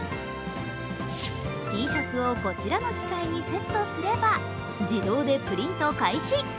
Ｔシャツをこちらの機械にセットすれば、自動でプリント開始。